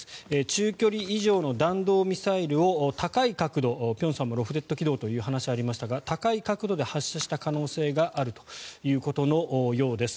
中距離以上の弾道ミサイルを高い角度辺さんもロフテッド軌道というお話がありましたが高い角度で発射した可能性があるということのようです。